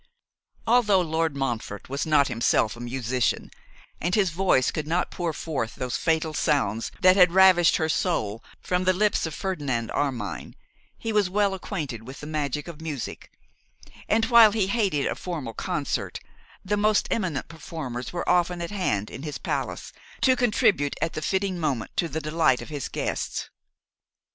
Although Lord Montfort was not himself a musician, and his voice could not pour forth those fatal sounds that had ravished her soul from the lips of Ferdinand Armine, he was well acquainted with the magic of music; and while he hated a formal concert, the most eminent performers were often at hand in his palace, to contribute at the fitting moment to the delight of his guests.